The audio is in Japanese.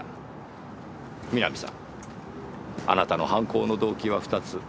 南さんあなたの犯行の動機は２つ。